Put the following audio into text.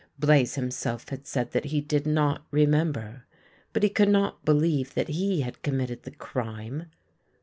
Blaze himself had said that he did not remember, but he could not believe that he had committed the crime.